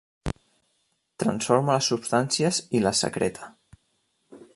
Transforma les substàncies i les secreta.